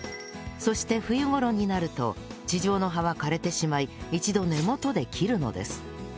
そして冬頃になると地上の葉は枯れてしまい一度根元で切るのです